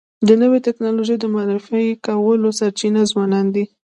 د نوې ټکنالوژی د معرفي کولو سرچینه ځوانان دي.